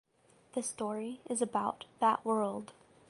The story is about that world.